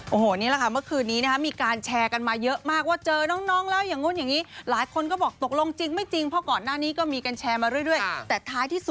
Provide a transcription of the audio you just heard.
โอ้โหนี่แหละค่ะเมื่อคืนนี้